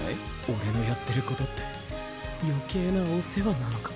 オレのやってることってよけいなお世話なのか？